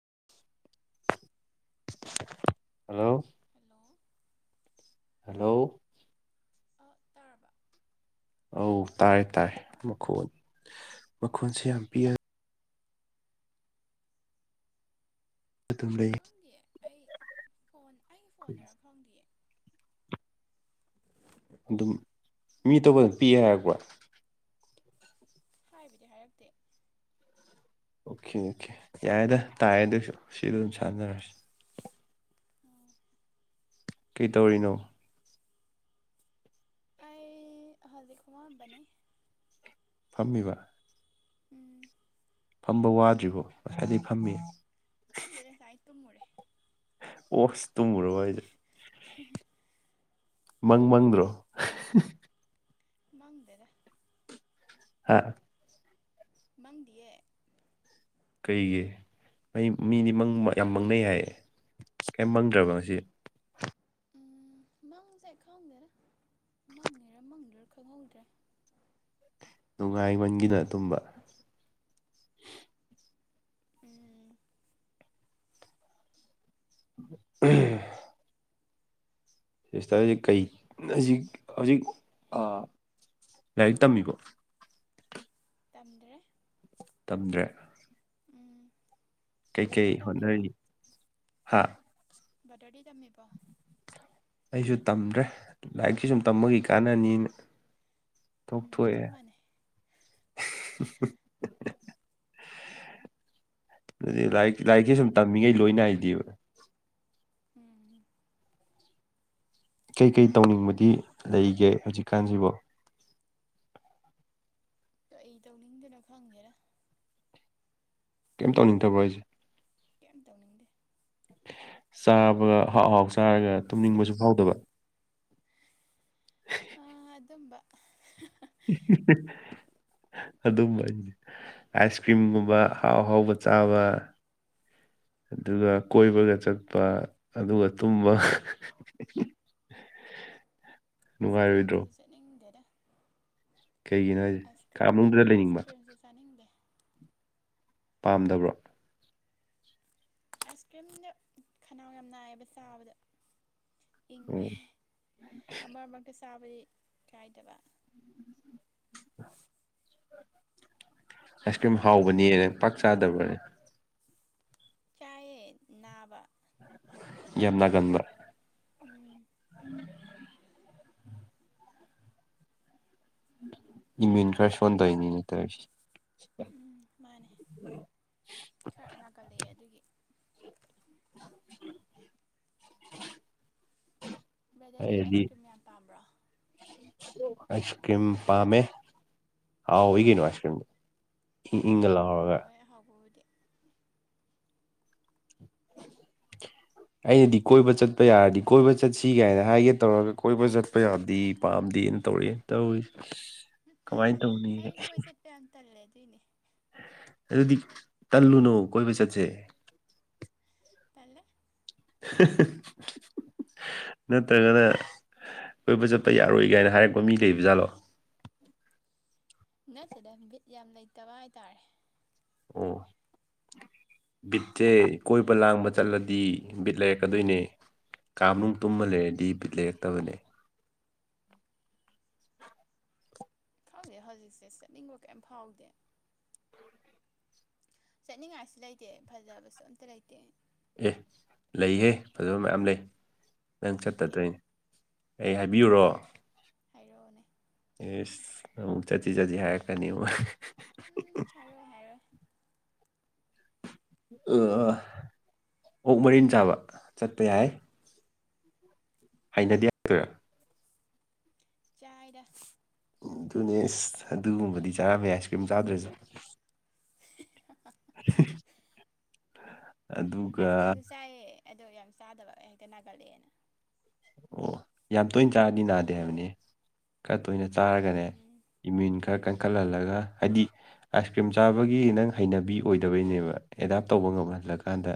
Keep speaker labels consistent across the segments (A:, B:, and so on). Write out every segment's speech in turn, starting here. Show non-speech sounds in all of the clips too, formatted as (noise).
A: (inaudible) hello
B: hello
A: hello
B: ꯑꯥ ꯇꯥꯔꯕ
A: ꯑꯧ ꯇꯥꯔꯦ ꯇꯥꯥꯏ ꯃꯈꯣꯟ ꯃꯈꯣꯟꯁꯦ ꯌꯥꯝ ꯄꯤꯛꯑ ꯑꯗꯨꯝ ꯂꯩ
B: ꯈꯪꯗꯤꯌꯦ ꯑꯩ ꯐꯣꯟ ꯑꯩꯒꯤ ꯐꯣꯟꯅꯔ ꯈꯪꯗꯤꯌꯦ (inaudible)
A: ꯗꯨꯝ ꯃꯤꯑꯇꯣꯞꯄꯅ ꯄꯤꯛꯑꯦ ꯍꯥꯏꯔꯛꯄ꯭ꯔꯥ
B: ꯍꯥꯏꯕꯨꯗꯤ ꯍꯥꯏꯔꯛꯇꯦ
A: ꯑꯣꯈꯦ ꯑꯣꯈꯦ ꯌꯥꯔꯦꯗ ꯇꯥꯔꯦ ꯑꯗꯨꯁꯨ ꯁꯤꯗ ꯑꯗꯨꯝ ꯁꯥꯟꯅꯔꯁꯤ
B: ꯎꯝ
A: ꯀꯩꯇꯧꯔꯤꯅꯣ
B: ꯑꯩ ꯍꯧꯖꯤꯛ ꯐꯝꯃꯝꯕꯅꯤ
A: ꯐꯝꯃꯤꯕ
B: ꯎꯝ
A: ꯐꯝꯕ ꯋꯥꯗ꯭ꯔꯤꯕꯣ ꯉꯁꯥꯏꯗꯒꯤ ꯐꯝꯃꯤ
B: ꯈꯝꯗꯦꯗ ꯉꯁꯥꯏꯗꯩ ꯇꯨꯝꯃꯨꯔꯦ
A: ꯑꯣꯁ ꯇꯨꯝꯃꯨꯔꯕꯣ ꯍꯥꯏꯁꯦ ꯃꯪ ꯃꯪꯗ꯭ꯔꯣ
B: ꯃꯪꯗꯦꯗ
A: ꯍꯥꯥ
B: ꯃꯪꯗꯤꯌꯦ
A: ꯀꯩꯒꯤ ꯃꯤꯗꯤ ꯃꯪ ꯌꯥꯝ ꯃꯪꯅꯩ ꯍꯥꯏꯌꯦ ꯀꯩꯌꯝ ꯃꯪꯗ꯭ꯔꯕ ꯉꯁꯤ
B: ꯎꯝ ꯃꯪꯁꯦ ꯈꯪꯗꯦꯗ ꯃꯪꯉꯤꯔꯥ ꯃꯪꯗ꯭ꯔꯤꯔꯥ ꯈꯪꯍꯧꯗ꯭ꯔꯦ
A: ꯅꯨꯡꯉꯥꯏꯃꯟꯒꯤꯗꯅ ꯇꯨꯝꯕ
B: ꯎꯝ
A: ꯎꯝ ꯁꯤꯁꯇꯔꯁꯤ ꯀꯩ ꯍꯧꯖꯤꯛ ꯍꯧꯖꯤꯛ ꯑꯥ ꯂꯥꯏꯔꯤꯛ ꯇꯝꯃꯤꯕꯣ
B: ꯇꯝꯗ꯭ꯔꯦ
A: ꯇꯝꯗ꯭ꯔꯦ
B: ꯎꯝ ꯕ꯭ꯔꯗꯔ ꯇꯝꯃꯤꯕꯣ
A: ꯍꯥꯥ
B: ꯕ꯭ꯔꯗꯔꯗꯤ ꯇꯝꯃꯤꯕꯣ
A: ꯑꯩꯖꯨ ꯇꯝꯗ꯭ꯔꯦ ꯂꯥꯏꯔꯤꯛꯁꯤ ꯁꯨꯝ ꯇꯝꯃꯒ ꯀꯔꯤ ꯀꯥꯟꯅꯅꯤꯅ
B: ꯎꯝ ꯆꯞ
A: ꯇꯣꯛꯊꯣꯛꯑꯦ
B: ꯃꯥꯟꯅꯩ
A: ꯑꯗꯨꯅꯤ ꯂꯥꯏꯔꯤꯛ ꯂꯥꯏꯔꯤꯛꯁꯦ ꯁꯨꯝ ꯇꯝꯃꯤꯉꯩ ꯂꯣꯏ ꯅꯥꯏꯗꯦꯕ
B: ꯎꯝ
A: ꯀꯩ ꯀꯩ ꯇꯧꯅꯤꯡꯕꯗꯤ ꯂꯩꯒꯦ ꯍꯧꯖꯤꯛꯀꯥꯟꯁꯤꯕꯣ
B: ꯀꯩ ꯇꯧꯅꯤꯡꯗꯣꯏꯅꯣ ꯈꯪꯗꯦꯗ
A: ꯀꯩꯝ ꯇꯧꯅꯤꯡꯗꯕꯔꯣ ꯍꯥꯏꯁꯦ
B: ꯀꯩꯝ ꯇꯧꯅꯤꯡꯗꯦ
A: ꯆꯥꯕ ꯑꯍꯥꯎ ꯑꯍꯥꯎ ꯆꯥꯔꯒ ꯇꯨꯝꯅꯤꯡꯕꯁꯨ ꯐꯥꯎꯗꯕ
B: ꯑꯥ ꯑꯗꯨꯝꯕ
A: (unintelligible) ꯑꯗꯨꯝꯕ ꯑꯥꯏꯁ ꯀ꯭ꯔꯤꯝꯒꯨꯝꯕ ꯑꯍꯥꯎ ꯑꯍꯥꯎꯕ ꯆꯥꯕ ꯑꯗꯨꯒ ꯀꯣꯏꯕꯒ ꯆꯠꯄ ꯑꯗꯨꯒ ꯇꯨꯝꯕ (inaudible)
B: ꯑꯁ
A: ꯅꯨꯡꯉꯥꯏꯔꯣꯏꯗ꯭ꯔꯣ
B: ꯀꯣꯏꯕꯁꯨ ꯆꯠꯅꯤꯡꯗꯦꯗ
A: ꯀꯩꯒꯤꯅꯣ ꯍꯥꯏꯖꯦ
B: ꯑꯥꯏꯁ ꯀ꯭ꯔꯤꯝꯁꯦ ꯑꯥꯏꯁ ꯀ꯭ꯔꯤꯝꯁꯦ ꯆꯥꯅꯤꯡꯗꯦ
A: ꯄꯥꯝꯗꯕ꯭ꯔꯣ
B: ꯑꯥꯏꯁ ꯀ꯭ꯔꯤꯝꯗꯤ ꯈꯅꯥꯎ ꯌꯥꯝ ꯅꯥꯏꯌꯦꯕ ꯆꯥꯕꯗ
A: ꯑꯣ
B: ꯏꯪꯕ ꯑꯃ ꯃꯔꯛꯇ ꯆꯥꯕꯗꯤ ꯀꯥꯏꯗꯕ
A: ꯑꯥꯏꯁ ꯀ꯭ꯔꯤꯝ ꯍꯥꯎꯕꯅꯦ ꯄꯥꯛ ꯆꯥꯗꯕ꯭ꯔꯅꯦ
B: ꯆꯥꯏꯌꯦ ꯅꯥꯕ
A: ꯌꯥꯝ ꯅꯥꯒꯟꯕ꯭ꯔ
B: ꯎꯝ
A: ꯏꯃꯨꯟ ꯈꯔ ꯁꯣꯟ ꯇꯧꯏꯅꯤꯅꯦ ꯇꯧꯔꯤꯁꯦ
B: ꯎꯝ ꯃꯥꯅꯦ ꯈꯔ ꯅꯥꯒꯜꯂꯦ ꯑꯗꯨꯒꯤ ꯕ꯭ꯔꯗꯔꯗꯤ
A: ꯑꯩꯗꯤ
B: ꯑꯥꯏꯁ ꯀ꯭ꯔꯤꯝ ꯌꯥꯝ ꯄꯥꯝꯕ꯭ꯔꯣ
A: ꯑꯥꯏꯁ ꯀ꯭ꯔꯤꯝ ꯄꯥꯝꯃꯦ ꯍꯥꯎꯏ ꯀꯤꯅꯣ ꯑꯥꯏꯁ ꯀ꯭ꯔꯤꯝꯕꯣ ꯏꯪ ꯏꯪꯒ ꯂꯥꯎꯔꯒ
B: ꯑꯦ ꯍꯥꯎꯕ ꯑꯣꯏꯗꯦ
A: (inaudible) ꯑꯩꯅꯗꯤ ꯀꯣꯏꯕ ꯆꯠꯄ ꯌꯥꯔꯗꯤ ꯀꯣꯏꯕ ꯆꯠꯁꯤ ꯀꯥꯏꯅ ꯍꯥꯏꯒꯦ ꯇꯧꯔꯒ ꯀꯣꯏꯕ ꯆꯠꯄ ꯌꯥꯗꯤ ꯄꯥꯝꯗꯦꯅ ꯇꯧꯔꯛꯑꯦ ꯇꯧꯔꯤꯁꯦ ꯏꯁ ꯀꯃꯥꯏꯅ ꯇꯧꯅꯤ
B: ꯏꯇꯟ ꯇꯂꯦ ꯑꯗꯨꯏꯅꯤ
A: ꯑꯗꯨꯗꯤ ꯇꯜꯂꯨꯅꯣ ꯀꯣꯏꯕ ꯆꯠꯁꯦ
B: ꯇꯂꯦ
A: (unintelligible) ꯅꯠꯇ꯭ꯔꯒꯅ ꯀꯣꯏꯕ ꯆꯠꯄ ꯌꯥꯔꯣꯏ ꯀꯥꯏꯅ ꯍꯥꯏꯔꯛꯄ ꯃꯤ ꯂꯩꯕ ꯖꯥꯠꯂꯣ
B: ꯅꯠꯇꯦꯗ ꯕꯤꯠ ꯌꯥꯝ ꯂꯩꯇꯕ ꯍꯥꯏꯇꯥꯔꯦ
A: ꯎꯝ ꯕꯤꯠꯁꯦ ꯀꯣꯏꯕ ꯂꯥꯡꯕ ꯆꯠꯂꯗꯤ ꯕꯤꯠ ꯂꯩꯔꯛꯀꯗꯣꯏꯅꯦ ꯀꯥ ꯃꯅꯨꯡ ꯇꯨꯝꯃ ꯂꯩꯔꯗꯤ ꯕꯤꯠ ꯂꯩꯔꯛꯇꯕꯅꯦ
B: ꯈꯪꯗꯦ ꯍꯧꯖꯤꯛꯁꯦ ꯆꯠꯅꯤꯡꯕ ꯀꯩꯝ ꯐꯥꯎꯗꯦ ꯆꯠꯅꯤꯡꯉꯥꯏꯁꯨ ꯂꯩꯇꯦ ꯐꯖꯕꯁꯨ ꯑꯝꯇ ꯂꯩꯇꯦ
A: ꯑꯦ ꯂꯩꯍꯦ ꯐꯖꯕ ꯃꯌꯥꯝ ꯂꯩ ꯅꯪ ꯆꯠꯇ
B: ꯀꯩꯀꯩ
A: ꯇꯩꯏꯅꯦ ꯑꯩ ꯍꯥꯏꯕꯤꯌꯨꯔꯣ
B: ꯍꯥꯏꯔꯛꯑꯣꯅꯦ
A: ꯑꯦꯁ ꯑꯃꯨꯛ ꯆꯠꯁꯤ ꯆꯠꯁꯤ ꯍꯥꯏꯔꯛꯀꯅꯤ
B: ꯎꯝ ꯍꯥꯏꯔꯣꯏ ꯍꯥꯏꯔꯣꯏ
A: ꯑꯣꯛ ꯃꯔꯤꯟ ꯆꯥꯕ ꯆꯠꯄ ꯌꯥꯏ ꯍꯩꯅꯗꯦ ꯍꯥꯏꯔꯛ ꯇꯣꯏꯔ
B: ꯆꯥꯏ ꯗ
A: ꯑꯗꯨꯅꯦ ꯏꯁ ꯑꯗꯨꯒꯨꯝꯕꯗꯤ ꯆꯥꯔꯝꯃꯦ ꯑꯥꯏꯁ ꯀ꯭ꯔꯤꯝ ꯆꯥꯗ꯭ꯔꯁꯨ
B: (unintelligible)
A: ꯑꯗꯨꯒ
B: ꯑꯥꯏꯁ ꯀ꯭ꯔꯤꯝꯁꯨ ꯆꯥꯏꯌꯦ ꯑꯗꯣ ꯌꯥꯝ ꯆꯥꯗꯕ ꯍꯦꯛꯇ ꯅꯥꯒꯜꯂꯦꯅ
A: ꯑꯣ ꯌꯥꯝ ꯇꯣꯏꯅ ꯆꯥꯔꯗꯤ ꯅꯥꯗꯦ ꯍꯥꯏꯕꯅꯤ ꯈꯔ ꯇꯣꯏꯅ ꯆꯥꯔꯒꯅꯦ
B: ꯎꯝ
A: ꯏꯃꯨ꯭ꯋꯤꯟ ꯈꯔ ꯀꯟꯈꯠꯍꯜꯂꯒ ꯍꯥꯏꯗꯤ ꯑꯥꯏꯁ ꯀ꯭ꯔꯤꯝ ꯆꯥꯕꯒꯤ ꯅꯪ ꯍꯩꯅꯕꯤ ꯑꯣꯏꯗꯕꯩꯅꯦꯕ ꯑꯦꯗꯥꯞ ꯇꯧꯕ ꯉꯝꯍꯜꯂꯀꯥꯟꯗ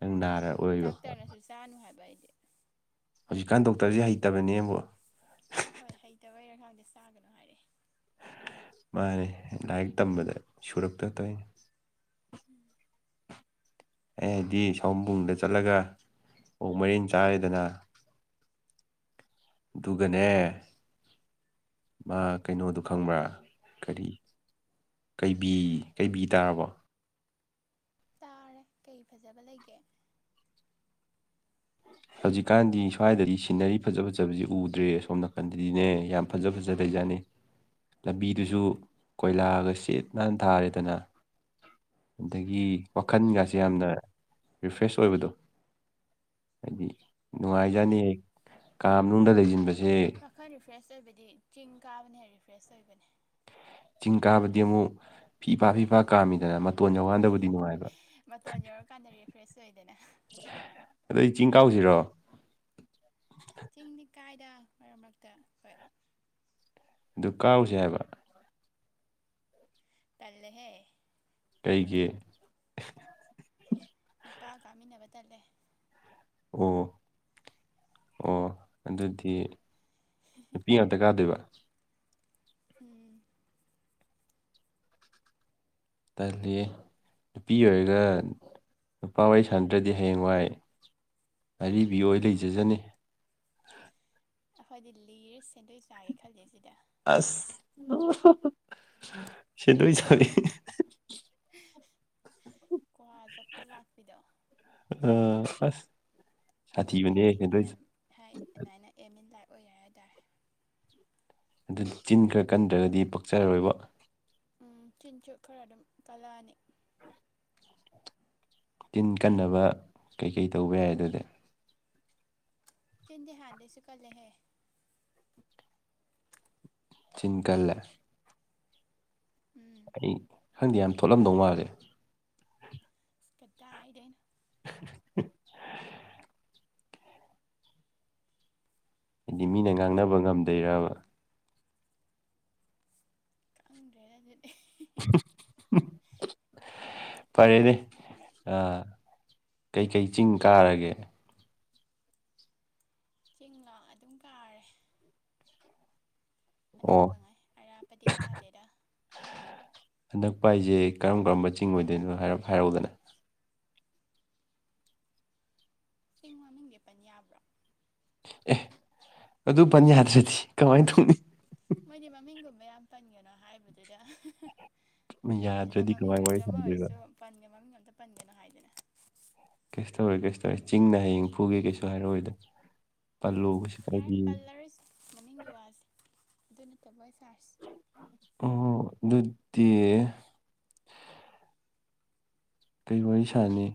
A: ꯅꯪ ꯅꯥꯔꯞ
B: ꯗꯥꯛꯇꯔꯅꯁꯨ ꯆꯥꯅꯨ ꯍꯥꯏꯕ ꯑꯩꯗꯤ
A: ꯍꯧꯖꯤꯛꯀꯥꯟ ꯗꯣꯛꯇꯔꯁꯦ ꯍꯩꯇꯕꯅꯦꯕꯣ
B: ꯍꯣꯏ ꯍꯩꯇꯕꯩꯔ ꯈꯥꯡꯗꯦ ꯆꯥꯒꯅꯨ ꯍꯥꯏꯔꯛꯑꯦ
A: ꯃꯥꯅꯦ ꯂꯥꯏꯔꯤꯛ ꯇꯝꯕꯗ ꯁꯨꯔꯛꯇ ꯇꯩꯅꯤ ꯑꯩ ꯍꯥꯏꯗꯤ ꯁꯑꯣꯝꯕꯨꯡꯗ ꯆꯠꯂꯒ ꯑꯣꯛ ꯃꯔꯤꯟ ꯆꯥꯔꯦꯗꯅ ꯑꯗꯨꯒꯅꯦ ꯑꯥ ꯀꯩꯅꯣꯗꯨ ꯈꯪꯕ꯭ꯔꯥ ꯀꯔꯤ ꯀꯩꯕꯤ ꯀꯩꯕꯤ ꯇꯥꯔꯕꯣ
B: ꯇꯥꯔꯦ ꯀꯩ ꯐꯖꯕ ꯂꯩꯒꯦ
A: ꯍꯧꯖꯤꯛꯀꯥꯟꯗꯤ ꯁ꯭ꯋꯥꯏꯗꯗꯤ ꯁꯤꯅꯔꯤ ꯐꯖ ꯐꯖꯕꯁꯤ ꯎꯗ꯭ꯔꯦ ꯑꯁꯣꯝ ꯅꯥꯀꯟꯗꯗꯤꯅꯦ ꯌꯥꯝ ꯐꯖ ꯐꯖ ꯂꯩꯖꯅꯤ ꯂꯝꯕꯤꯗꯨꯁꯨ ꯀꯣꯏꯂꯥꯒ ꯁꯤꯠ ꯅꯥꯟ ꯊꯥꯔꯦꯗꯅ ꯑꯗꯒꯤ ꯋꯥꯈꯟꯒꯥꯁꯦ ꯌꯥꯝꯅ
B: ꯎꯝ
A: ꯔꯤꯐ꯭ꯔꯦꯁ ꯑꯣꯏꯕꯗꯣ ꯍꯥꯏꯗꯤ ꯅꯨꯡꯉꯥꯏꯖꯅꯤ
B: ꯑꯥ
A: ꯍꯦ ꯀꯥ ꯃꯅꯨꯡꯗ ꯂꯩꯁꯤꯟꯕꯁꯦ
B: ꯋꯥꯈꯟ ꯔꯤꯐ꯭ꯔꯦꯁ ꯑꯣꯏꯕꯗꯤ ꯆꯤꯡ ꯀꯥꯕꯅ ꯍꯦꯟ ꯔꯤꯐ꯭ꯔꯦꯁ ꯑꯣꯏꯕꯅꯦ
A: ꯆꯤꯡ ꯀꯥꯕꯗꯤ ꯑꯃꯨꯛ ꯐꯤ ꯐꯥ ꯐꯤ ꯐꯥ ꯀꯥꯝꯃꯤꯗꯅ ꯃꯇꯣꯟ ꯌꯧꯒꯥꯟꯗꯕꯨꯗꯤ ꯅꯨꯡꯉꯥꯏꯕ
B: ꯃꯇꯣꯟ ꯌꯧꯔꯀꯥꯟꯗ ꯔꯤꯐ꯭ꯔꯦꯁ ꯑꯣꯏꯗꯅ
A: ꯑꯗꯣ ꯆꯤꯡ ꯀꯥꯎꯖꯤꯔꯣ
B: ꯆꯤꯡꯗꯤ ꯀꯥꯏꯗ ꯃꯔꯛ ꯃꯔꯛꯇ ꯍꯣꯏ
A: ꯑꯗꯨ ꯀꯥꯎꯖꯦ ꯍꯥꯏꯕ
B: ꯇꯜꯂꯦꯍꯦ
A: ꯀꯩꯒꯤ
B: ꯅꯨꯄꯥꯒ ꯀꯥꯃꯤꯟꯅꯕ ꯇꯜꯂꯦ
A: ꯑꯣ ꯑꯣ ꯑꯗꯨꯗꯤ ꯅꯨꯄꯤ ꯉꯥꯛ ꯇ ꯀꯥꯗꯣꯏꯕ
B: ꯎꯝ
A: ꯇꯜꯂꯤꯍꯦ ꯅꯨꯄꯤ ꯑꯣꯏꯔꯒ ꯅꯨꯄꯥ ꯋꯥꯔꯤ ꯁꯥꯟꯅꯗ꯭ꯔꯗꯤ ꯍꯌꯦꯡ ꯋꯥꯏ ꯑꯔꯤꯕꯤ ꯑꯣꯏ ꯂꯩꯖꯖꯅꯤ
B: ꯑꯈꯣꯏꯗꯤ ꯂꯤꯔ ꯁꯦꯟꯗꯣꯏ ꯆꯥꯒꯦ ꯈꯜꯂꯤꯁꯤꯗꯤ
A: ꯑꯁ ꯁꯦꯟꯗꯣꯏ ꯆꯥꯕꯤ
B: ꯀ꯭ꯋꯥ ꯖꯞꯀ ꯂꯥꯛꯄꯤꯗꯣ
A: ꯑꯥ ꯑꯁ ꯁꯥꯊꯤꯕꯅꯦꯍꯦ
B: ꯑꯗꯨꯝꯕꯒꯤ
A: ꯁꯦꯟꯗꯣꯏ
B: ꯑꯦꯝ ꯍꯥꯏ ꯑꯗꯨꯃꯥꯏꯅ ꯑꯦꯝ ꯏꯟ ꯂꯥꯐ ꯑꯣꯏ ꯍꯥꯏꯇꯥꯔꯦ
A: ꯑꯗꯨ ꯆꯤꯟ ꯈꯔ ꯀꯟꯗ꯭ꯔꯒꯗꯤ ꯄꯛꯆꯔꯣꯏꯕꯣ
B: ꯎꯝ ꯆꯤꯟꯁꯨ ꯈꯔ ꯑꯗꯨꯝ ꯀꯜꯂꯛꯑꯅꯤ
A: ꯆꯤꯟ ꯀꯟꯅꯕ ꯀꯩꯀꯩ ꯇꯧꯕ ꯌꯥꯏ ꯑꯗꯨꯗꯤ
B: ꯆꯤꯟꯗꯤ ꯍꯥꯟꯗꯩꯁꯨ ꯀꯜꯂꯦꯍꯦ
A: ꯆꯤꯟ ꯀꯜꯂꯦ
B: ꯎꯝ
A: ꯑꯩ ꯈꯪꯗꯦ ꯌꯥꯝ ꯊꯣꯠꯂꯝꯗꯧ ꯃꯥꯜꯂꯦ
B: ꯀꯗꯥꯏꯗꯩꯅꯣ
A: (inaudible) ꯍꯥꯏꯗꯤ ꯃꯤꯅ ꯉꯥꯡꯅꯕ ꯉꯝꯗꯣꯏꯔꯕ
B: ꯑꯪꯗ꯭ꯔꯦ ꯑꯗꯨꯗꯤ (unintelligible)
A: (unintelligible) ꯐꯔꯦꯅꯦ ꯑꯥ ꯀꯩꯀꯩ ꯆꯤꯡ ꯀꯥꯔꯒꯦ
B: ꯆꯤꯡꯂꯣ ꯑꯗꯨꯝ ꯀꯥꯔꯦ
A: ꯑꯣ
B: ꯑꯅꯛꯄ ꯉꯩ ꯑꯔꯥꯞꯄꯗꯤ ꯀꯥꯗꯦꯗ
A: ꯑꯅꯛꯄ ꯍꯥꯖꯦ ꯀꯔꯝ ꯀꯔꯝꯕ ꯆꯤꯡ ꯑꯣꯏꯗꯣꯏꯅꯣ ꯍꯥꯏꯔꯞ ꯍꯥꯏꯔꯛꯑꯣꯗꯅ
B: ꯆꯤꯡ ꯃꯃꯤꯡꯁꯦ ꯄꯟ ꯌꯥꯕ꯭ꯔꯣ
A: ꯑꯦ ꯑꯗꯨ ꯄꯟ ꯌꯥꯗ꯭ꯔꯗꯤ ꯀꯃꯥꯏ ꯇꯧꯅꯤ
B: ꯃꯣꯏꯗꯤ ꯃꯃꯤꯡꯒꯨꯝꯕ ꯌꯥꯝ ꯄꯟꯒꯅꯣ ꯍꯥꯏꯕꯗꯨꯗ ꯂꯝ
A: ꯌꯥꯗ꯭ꯔꯗꯤ
B: ꯃꯃꯤꯡ
A: ꯀꯃꯥꯏ ꯋꯥꯔꯤ
B: ꯑꯣꯏꯔꯁꯨ ꯑꯃ
A: ꯁꯥꯟꯅꯗꯣꯏꯕ
B: ꯑꯣꯏꯔꯁꯨ ꯄꯟꯒꯅꯨ ꯃꯃꯤꯡ ꯑꯝꯇ ꯄꯟꯒꯅꯣ ꯍꯥꯏꯗꯅ
A: ꯀꯩꯁꯨ ꯇꯧꯔꯣ ꯀꯩꯁꯨ ꯇꯧꯔꯣ ꯆꯤꯡꯅ ꯍꯌꯦꯡ ꯐꯨꯒꯦ ꯀꯩꯁꯨ ꯍꯥꯏꯔꯛꯑꯣꯏꯗ ꯄꯥꯜꯂꯣ ꯀꯩꯁꯨ
B: ꯌꯥꯔꯦ
A: ꯀꯥꯏꯗꯤꯌꯦ
B: ꯄꯜꯂꯔꯣꯏꯁꯤ ꯃꯃꯤꯡꯒꯤ ꯋꯥꯁꯦ ꯑꯗꯨ ꯅꯠꯇꯕ ꯑꯣꯏꯅ ꯁꯥꯔꯁꯤ
A: ꯑꯣ ꯑꯗꯨꯗꯤ ꯀꯩ ꯋꯥꯔꯤ ꯁꯥꯅꯤ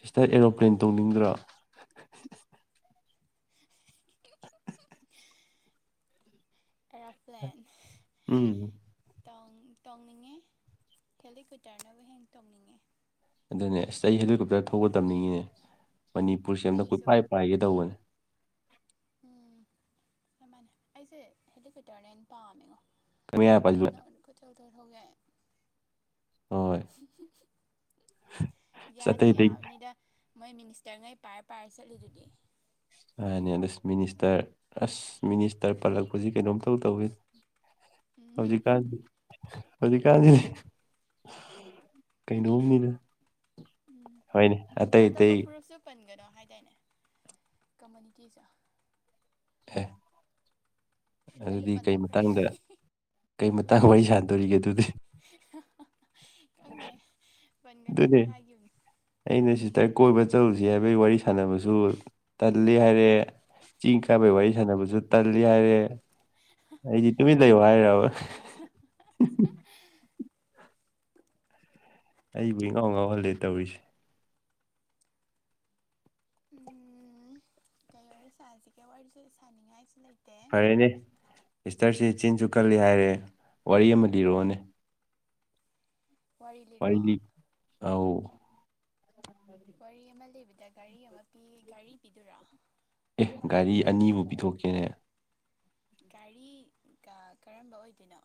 A: ꯁꯤꯁꯇꯔ ꯑꯦꯔꯣꯄ꯭ꯂꯦꯟ ꯇꯧꯅꯤꯡꯗ꯭ꯔꯣ
B: ꯑꯦꯔꯣꯄ꯭ꯂꯦꯟ
A: ꯎꯝ
B: ꯇꯣꯡ ꯇꯣꯡꯅꯤꯡꯉꯦ ꯍꯦꯂꯤꯀꯣꯞꯇꯔꯅꯕꯨ ꯍꯦꯟꯅ ꯇꯣꯡꯅꯤꯡꯉꯦ
A: ꯑꯗꯨꯅꯦ ꯑꯁ ꯑꯩ ꯍꯦꯂꯤꯀꯣꯞꯇꯔ ꯊꯧꯕ ꯇꯝꯅꯤꯡꯉꯤꯅꯦ ꯃꯅꯤꯄꯨꯔꯁꯦ ꯑꯃꯗ
B: ꯑꯩꯁꯨ
A: ꯀꯣꯏꯄꯥꯏ ꯄꯥꯏꯒꯦ ꯇꯧꯕꯅꯦ
B: ꯎꯝ ꯆꯞ ꯃꯥꯟꯅꯩ ꯑꯩꯁꯦ ꯍꯦꯂꯤꯀꯣꯞꯇꯔꯅ ꯍꯦꯟꯅ ꯄꯥꯝꯃꯦꯉꯣ
A: ꯃꯌꯥ ꯄꯥꯏꯁꯤꯜꯂꯦ
B: ꯅꯛꯑ ꯀꯣꯏꯊꯧ ꯊꯧ ꯌꯥꯏ
A: ꯍꯣꯏ ꯑꯁ
B: ꯌꯥꯗꯤ
A: ꯑꯇꯩ ꯑꯇꯩ
B: ꯌꯥꯕꯅꯤꯗ ꯃꯣꯏ ꯃꯤꯅꯤꯁꯇꯔꯉꯩ ꯄꯥꯏꯔ ꯄꯥꯏꯔ ꯆꯠꯂꯤꯗꯨꯗꯤ
A: ꯃꯥꯅꯦ ꯑꯗꯁ ꯃꯤꯅꯤꯁꯇꯔ ꯑꯁ ꯃꯤꯅꯤꯁꯇꯔ ꯄꯜꯂꯛꯄꯁꯤ ꯀꯩꯅꯣꯝ ꯏꯇꯧ ꯇꯧꯋꯤꯗ ꯍꯧꯖꯤꯛꯀꯥꯜ
B: ꯎꯝ
A: ꯍꯧꯖꯤꯛꯀꯥꯟꯁꯤ ꯀꯩꯅꯣꯝꯅꯤꯗ
B: ꯎꯝ ꯑꯇꯣꯞꯄ ꯐꯨꯔꯨꯞꯁꯨ ꯄꯟꯒꯅꯣ ꯍꯥꯏꯗꯥꯏꯅꯦ ꯀꯝꯃꯨꯅꯤꯇꯤꯖꯨ
A: ꯍꯦ
B: ꯑꯗꯨ
A: ꯑꯗꯨꯗꯤ ꯀꯩ
B: ꯄꯟꯊꯣꯛꯈ꯭ꯔꯦ
A: ꯃꯇꯥꯡꯗ ꯀꯩ ꯃꯇꯥꯡ ꯋꯥꯔꯤ ꯁꯥꯟꯗꯣꯔꯤꯒꯦ ꯑꯗꯨꯗꯤ
B: ꯈꯪꯗꯦ
A: ꯑꯗꯨꯅꯦ
B: ꯄꯟꯒꯅꯣꯅ ꯍꯥꯏꯈꯤꯝꯅꯤ
A: ꯑꯩꯅ ꯁꯤꯁꯇꯔ ꯀꯣꯏꯕ ꯆꯠꯂꯨꯁꯤ ꯍꯥꯏꯕꯒꯤ ꯋꯥꯔꯤ ꯁꯥꯟꯅꯕꯁꯨ ꯇꯜꯂꯤ ꯍꯥꯏꯔꯛꯑꯦ ꯆꯤꯡ ꯀꯥꯕꯩ ꯋꯥꯔꯤ ꯁꯥꯟꯅꯕꯁꯨ ꯇꯜꯂꯤ ꯍꯥꯏꯔꯦ ꯑꯩꯗꯤ ꯇꯨꯃꯤꯟ ꯂꯩꯌꯣ ꯍꯥꯏꯔꯕ ꯑꯩꯕꯨ ꯏꯉꯥꯎ ꯉꯥꯎꯍꯜꯂꯦ ꯇꯧꯔꯤꯁꯤ
B: ꯑꯩ ꯁꯥꯟꯁꯤꯒꯦ ꯋꯥꯔꯤꯁꯨ ꯁꯥꯅꯤꯡꯉꯥꯏꯁꯨ ꯂꯩ
A: ꯐꯔꯦꯅꯦ ꯁꯤꯁꯇꯔꯁꯤ ꯆꯤꯟꯁꯨ ꯀꯜꯂꯤ ꯍꯥꯏꯔꯦ ꯋꯥꯔꯤ ꯑꯃ ꯂꯤꯔꯛꯑꯣꯅꯦ
B: ꯋꯥꯔꯤ
A: ꯋꯥꯔꯤꯂꯤ
B: ꯂꯤꯔꯛꯑꯣ
A: ꯑꯧ
B: ꯋꯥꯔꯤ ꯑꯃ ꯂꯩꯕꯗ ꯒꯥꯔꯤ ꯑꯃ ꯄꯤ ꯒꯥꯔꯤ ꯄꯤꯗꯨꯔꯥ
A: ꯑꯦ ꯒꯥꯔꯤ ꯑꯅꯤꯕꯨ ꯄꯤꯊꯣꯛꯀꯦꯅꯦ
B: ꯒꯥꯔꯤ ꯀ ꯀꯔꯝꯕ ꯑꯣꯏꯗꯣꯏꯅꯣ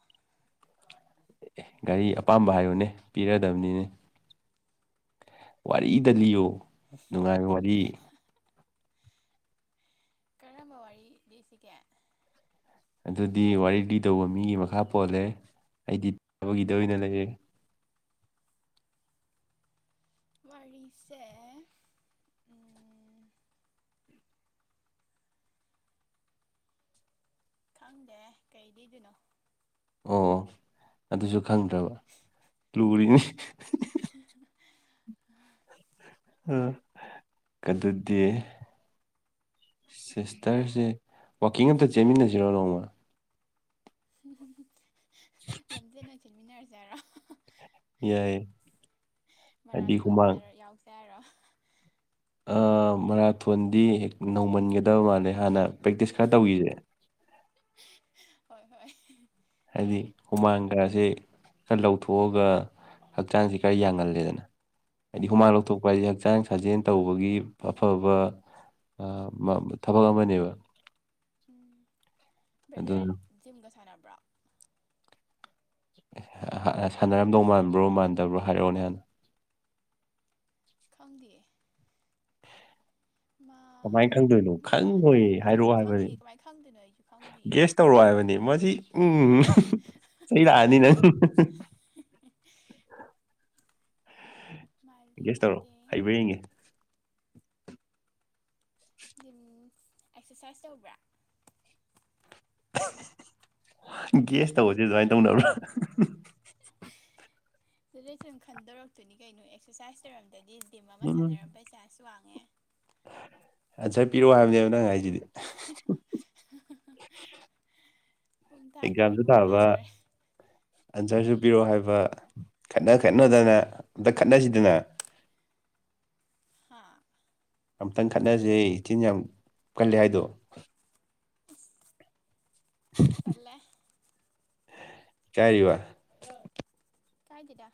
A: ꯑꯦ ꯒꯥꯔꯤ ꯑꯄꯥꯝꯕ ꯍꯥꯏꯌꯨꯅꯦ ꯄꯤꯔꯗꯕꯅꯤꯅꯦ ꯋꯥꯔꯤꯗ ꯂꯤꯌꯣ ꯅꯨꯡꯉꯥꯏꯕ ꯋꯥꯔꯤ
B: ꯀꯔꯝꯕ ꯋꯥꯔꯤ ꯂꯤ ꯁꯤꯒꯦ
A: ꯑꯗꯨꯗꯤ ꯋꯥꯔꯤ ꯂꯤ ꯗꯧꯕ ꯃꯤꯒꯤ ꯃꯈꯥ ꯄꯣꯜꯂꯦ ꯑꯩꯗꯤ ꯇꯥꯕꯒꯤꯗ ꯑꯣꯏꯅ ꯂꯩꯔꯦ
B: ꯋꯥꯔꯤꯁꯦ ꯈꯪꯗꯦ ꯀꯩ ꯂꯤꯗꯣꯏꯅꯣ
A: ꯑꯣ ꯑꯗꯨꯁꯨ ꯈꯪꯗ꯭ꯔꯥ ꯎꯔꯤꯉꯩꯏ
B: (unintelligible)
A: ꯑ ꯑꯗꯨꯗꯤ ꯁꯤꯁꯇꯔꯖꯦ ꯋꯥꯛꯀꯤꯡ ꯑꯝꯇ ꯆꯦꯟꯃꯤꯟꯅꯁꯤꯔꯣ ꯅꯣꯡꯃ
B: ꯂꯝꯖꯦꯟ ꯑꯣꯏꯅ ꯆꯟꯃꯤꯟꯅꯔꯖꯦ ꯍꯥꯏꯔꯣ
A: ꯌꯥꯏ
B: ꯃꯔꯥꯊꯣꯟꯗꯔ ꯌꯥꯎꯁꯦ ꯍꯥꯏꯔꯣ
A: ꯑꯥ ꯃꯔꯥꯊꯣꯟꯗꯤ ꯍꯦꯛ ꯅꯧꯃꯟꯒꯗꯕ ꯃꯥꯜꯂꯦ ꯍꯥꯟꯅ ꯄ꯭ꯔꯦꯛꯇꯤꯁ ꯈꯔ ꯇꯧꯈꯤꯖꯦ
B: ꯍꯣꯏ ꯍꯣꯏ
A: ꯍꯥꯏꯗꯤ ꯍꯨꯃꯥꯡꯒꯁꯦ ꯈꯔ ꯂꯧꯊꯣꯛꯑꯒ ꯍꯛꯆꯥꯡꯁꯤ ꯈꯔ ꯌꯥꯡꯍꯜꯂꯦꯗꯅ ꯍꯥꯏꯗꯤ ꯍꯨꯃꯥꯡ ꯊꯣꯛꯄ ꯍꯥꯏꯁꯦ ꯍꯛꯆꯥꯡ ꯁꯥꯖꯦꯜ ꯇꯧꯕꯒꯤ ꯑꯐꯕ ꯑꯩ ꯃꯥ ꯊꯕꯛ ꯑꯃꯅꯦꯕ
B: ꯕ꯭ꯔꯗꯔ
A: ꯑꯗꯨꯅ
B: ꯖꯤꯝꯒ ꯁꯥꯟꯅꯕ꯭ꯔꯣ
A: ꯁꯥꯟꯅꯔꯝꯗꯧ ꯃꯥꯟꯕ꯭ꯔꯣ ꯃꯥꯟꯗꯕ꯭ꯔꯣ ꯍꯥꯏꯔꯛꯎꯅꯦ ꯍꯥꯟꯅ
B: ꯈꯪꯗꯤꯌꯦ
A: ꯀꯃꯥꯏꯅ ꯈꯪꯗꯣꯏꯅꯣ
B: ꯃꯥꯜꯂꯤ
A: ꯈꯪꯉꯣꯏꯌꯦ
B: ꯃꯥꯟꯗꯦ
A: ꯍꯥꯏꯔꯛꯑꯣ ꯍꯥꯏꯕꯅꯤ
B: ꯈꯪꯗꯦ ꯀꯃꯥꯏꯅ ꯈꯪꯗꯣꯏꯅꯣ ꯑꯩꯁꯨ ꯈꯪꯗꯦ
A: ꯒꯦꯁ ꯇꯧꯔꯣ ꯍꯥꯏꯕꯅꯤ ꯃꯁꯤ ꯎꯝ ꯆꯩ ꯂꯥꯛ ꯑꯅꯤ ꯅꯪ
B: ꯃꯥꯜꯂꯤ
A: ꯒꯦꯁ ꯇꯧꯔꯛꯑꯣ
B: ꯃꯥꯟꯗꯦ
A: ꯍꯩꯕ꯭ꯔꯥ ꯌꯦꯡꯒꯦ
B: ꯖꯤꯝ ꯑꯦꯛꯁꯔꯁꯥꯏꯁ ꯇꯧꯕ꯭ꯔꯥ
A: ꯒꯦꯁ ꯇꯧꯕꯁꯦ ꯑꯗꯨꯃꯥꯏꯅ ꯇꯧꯅꯕ꯭ꯔꯥ
B: ꯁꯤꯗꯒꯤ ꯁꯨꯝ ꯈꯟꯗꯧꯔꯛꯇꯣꯏꯅꯤ ꯀꯩꯅꯣ ꯑꯦꯛꯁꯔꯁꯥꯏꯁ ꯇꯧꯔꯝꯗꯗꯤ ꯖꯤꯝ ꯑꯃ
A: ꯎꯝ
B: ꯁꯥꯟꯅꯔꯝꯕꯩ ꯆꯥꯟꯁ ꯋꯥꯡꯉꯦ
A: ꯑꯟꯁꯔ ꯄꯤꯌꯣ ꯍꯥꯏꯕꯅꯦꯕ ꯅꯪ ꯍꯥꯏꯁꯤꯗꯤ
B: (unintelligible)
A: (unintelligible)
B: ꯄꯨꯡ ꯇꯥꯗꯧꯔꯦ
A: ꯑꯦꯛꯖꯥꯝꯁꯨ
B: ꯄꯨꯡ
A: ꯊꯥꯕ
B: ꯇꯥꯗꯣꯔꯦ
A: ꯑꯟꯁꯔꯁꯨ ꯄꯤꯔꯛꯑꯣ ꯍꯥꯏꯕ ꯈꯠꯅ ꯈꯠꯅꯗꯅ ꯑꯝꯇ ꯈꯠꯅꯁꯤꯗꯅ
B: ꯍꯥꯥ
A: ꯑꯝꯇꯪ ꯈꯠꯅꯁꯦ ꯏꯆꯤꯟ ꯌꯥꯝ ꯀꯜꯂꯦ ꯍꯥꯏꯗꯣ
B: ꯇꯟꯂꯦ
A: ꯏꯀꯥꯏꯔꯤꯕ
B: ꯏꯀꯥꯏꯗꯦꯗ